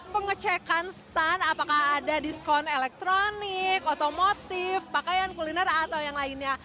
pengecekan stand apakah ada diskon elektronik otomotif pakaian kuliner atau yang lainnya